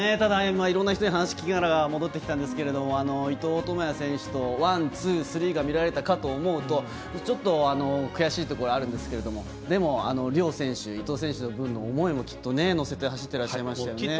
いろんな方に話を聞きながら戻ってきたんですけど伊藤智也選手とワン、ツー、スリーが見られたかと思うとちょっと悔しいところあるんですけどでも、伊藤智也選手の思いも乗せて走ってらっしゃいましたよね。